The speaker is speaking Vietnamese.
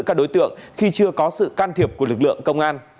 các đối tượng khi chưa có sự can thiệp của lực lượng công an